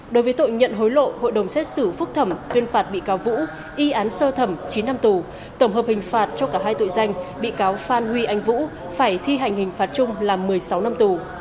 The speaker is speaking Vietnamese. đối với tội nhận hối lộ hội đồng xét xử phúc thẩm tuyên phạt bị cáo vũ y án sơ thẩm chín năm tù tổng hợp hình phạt cho cả hai tội danh bị cáo phan huy anh vũ phải thi hành hình phạt chung là một mươi sáu năm tù